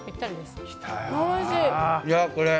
いやぁ、これ。